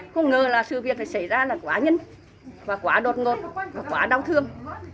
không ngờ là sự việc này xảy ra là quá nhân và quá đột ngột và quá đau thương